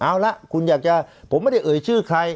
เอาละคุณอยากจะผมไม่ได้เอ่ยชื่อใคร